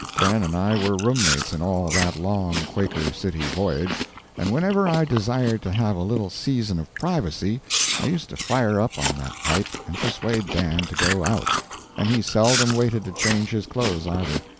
Dan and I were room mates in all that long "Quaker City" voyage, and whenever I desired to have a little season of privacy I used to fire up on that pipe and persuade Dan to go out; and he seldom waited to change his clothes, either.